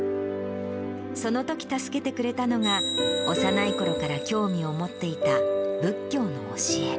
そのとき助けてくれたのが、幼いころから興味を持っていた仏教の教え。